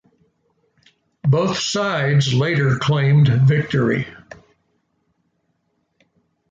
Both sides later claimed victory.